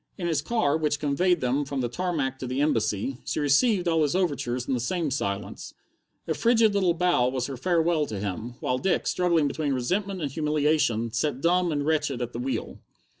In his car, which conveyed them from the tarmac to the Embassy, she received all his overtures in the same silence. A frigid little bow was her farewell to him, while Dick, struggling between resentment and humiliation, sat dumb and wretched at the wheel.